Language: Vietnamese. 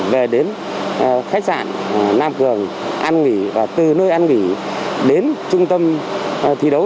về đến khách sạn nam cường an nghỉ và từ nơi ăn nghỉ đến trung tâm thi đấu